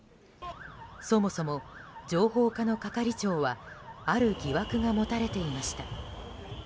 そもそも、情報課の係長はある疑惑が持たれていました。